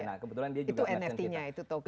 nah kebetulan dia juga merchant kita